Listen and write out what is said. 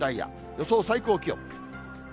予想最高気温。